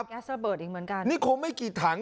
นี่ก็ก๊าซระเบิดอีกเหมือนกันนี่คงไม่กี่ถัง